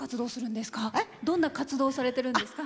どんな活動をされてるんですか？